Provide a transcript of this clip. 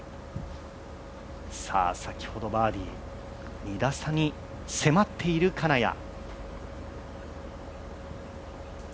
先ほどバーディー、２打差に迫っている金谷。